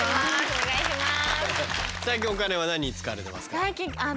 お願いします。